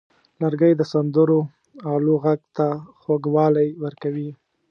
لرګی د سندرو آلو غږ ته خوږوالی ورکوي.